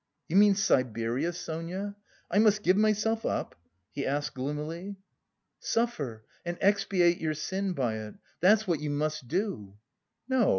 "You mean Siberia, Sonia? I must give myself up?" he asked gloomily. "Suffer and expiate your sin by it, that's what you must do." "No!